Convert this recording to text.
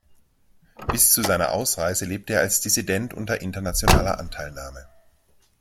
Bis zu seiner Ausreise lebte er als Dissident unter internationaler Anteilnahme.